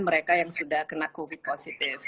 mereka yang sudah kena covid positif